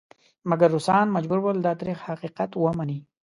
مګر روسان مجبور ول دا تریخ حقیقت ومني.